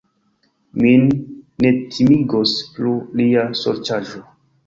Min ne timigos plu lia sorĉaĵo!